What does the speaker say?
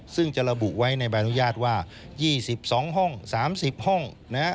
ซึ่งจะระบุไว้ในใบอนุญาตว่า๒๒ห้อง๓๐ห้อง